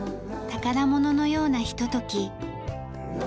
宝物のようなひととき。